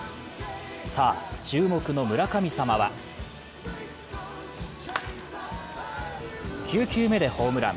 さあ、注目の村神様は９球目でホームラン。